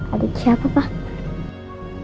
adik siapa pak